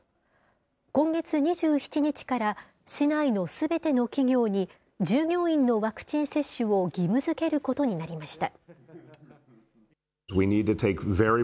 今月２７日から、市内のすべての企業に、従業員のワクチン接種を義務づけることになりました。